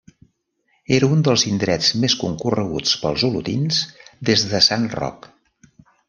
Era un dels indrets més concorreguts pels olotins des de Sant Roc.